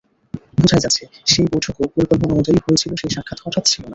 বোঝাই যাচ্ছে, সেই বৈঠকও পরিকল্পনা অনুযায়ীই হয়েছিল, সেই সাক্ষাৎ হঠাৎ ছিল না।